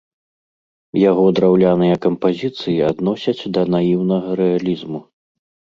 Яго драўляныя кампазіцыі адносяць да наіўнага рэалізму.